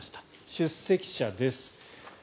出席者です。